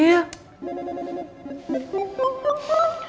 iya ini udah